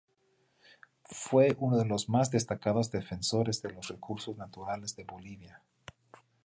Fue uno de los más destacados defensores de los recursos naturales de Bolivia.